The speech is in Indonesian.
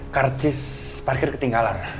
kartis parkir ketinggalan